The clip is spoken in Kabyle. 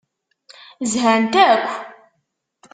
Zhant akk.